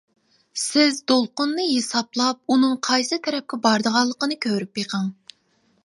سىز دولقۇننى ھېسابلاپ، ئۇنىڭ قايسى تەرەپكە بارىدىغانلىقىنى كۆرۈپ بېقىڭ.